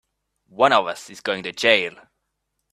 One of us is going to jail!